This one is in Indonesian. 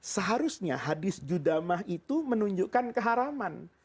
seharusnya hadis judamah itu menunjukkan keharaman